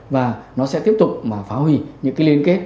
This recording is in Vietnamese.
và nó sẽ tiếp tục mà phá hủy những cái liên kết